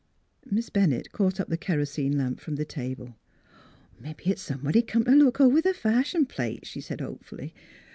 Miss Bennett caught up the kerosene lamp from the table. " Mebbe it's somebody come t' look over th' fashion plates," she said hopefully.